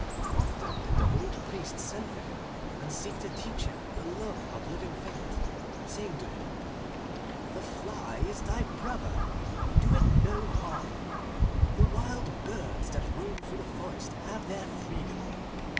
Often did the old priest send for him, and seek to teach him the love of living things, saying to him: 'The fly is thy brother. Do it no harm. The wild birds that roam through the forest have their freedom.